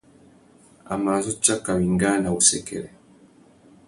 A mà zu tsaka wingāna wussêkêrê.